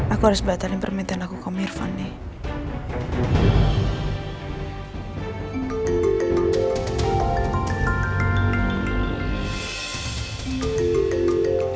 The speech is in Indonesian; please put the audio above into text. aku harus batalin permintaan aku ke mirvan nih